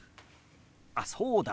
あっそうだ！